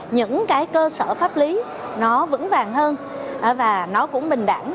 những cái cơ sở pháp lý nó vững vàng hơn và nó cũng bình đẳng